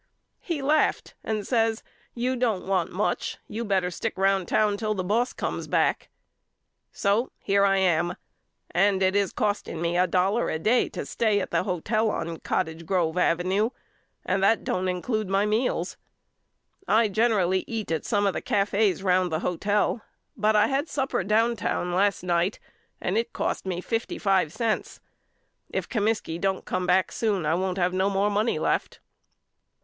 He laughed and says You don't want much. You better stick round town till the boss comes back. So here I am and it is cost ing me a dollar a day to stay at the hotel on Cot tage Grove Avenue and that don't include my meals. I generally eat at some of the cafes round the hotel but I had supper downtown last night and it cost me fifty five cents. If Comiskey don't come back soon I won't have no more money left.